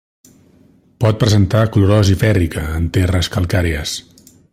Pot presentar clorosi fèrrica en terres calcàries.